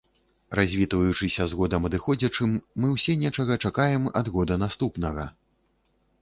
Развітваючыся з годам адыходзячым, мы ўсе нечага чакаем ад года наступнага.